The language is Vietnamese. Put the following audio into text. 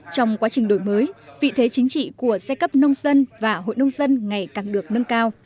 trong quá trình đổi mới vị thế chính trị của giai cấp nông dân và hội nông dân ngày càng được nâng cao